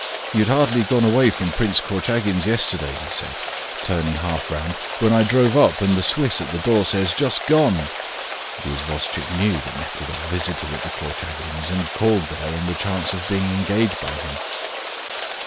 "You had hardly gone away from Prince Korchagin's yesterday," he said, turning half round, "when I drove up, and the Swiss at the door says, 'just gone.'" The isvostchik knew that Nekhludoff visited at the Korchagins, and called there on the chance of being engaged by him.